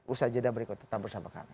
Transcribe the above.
ustaz jeddah berikut tetap bersama kami